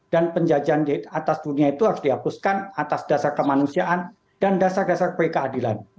dan penjajahan di atas dunia itu harus dihapuskan atas dasar kemanusiaan dan dasar dasar perikeadilan